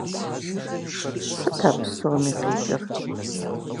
Сыт а псоми къикӏыр?!